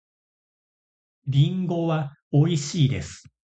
リンゴはおいしいです。